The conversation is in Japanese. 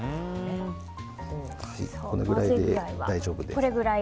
これぐらいで大丈夫です。